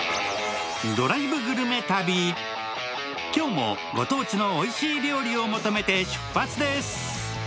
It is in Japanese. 今日もご当地のおいしい料理を求めて出発です。